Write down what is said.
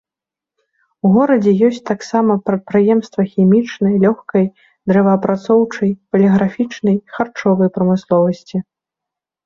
У горадзе ёсць таксама прадпрыемствы хімічнай, лёгкай, дрэваапрацоўчай, паліграфічнай, харчовай прамысловасці.